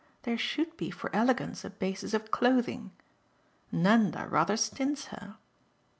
There should be for elegance a basis of clothing. Nanda rather stints her."